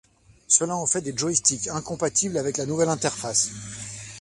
Cela en fait des joysticks incompatibles avec la nouvelle interface.